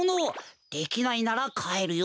できないならかえるよ。